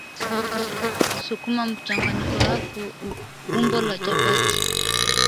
sukuma mchanganyiko wako umbo la chapati